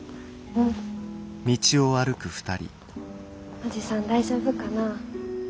おじさん大丈夫かな？